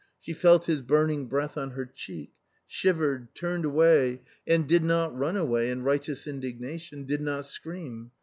She felt his burning breath on her cheek, shivered, turned away and — did not run away in righteous indignation, did not scream